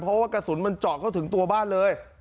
เพราะว่ากระสุนมันเจาะเข้าถึงตัวบ้านเลย